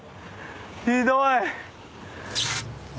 ひどい。